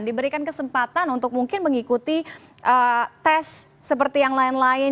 diberikan kesempatan untuk mungkin mengikuti tes seperti yang lain lain